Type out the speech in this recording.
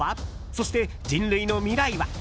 そして人類の未来は？